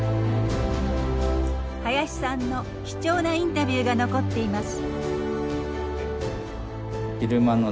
林さんの貴重なインタビューが残っています。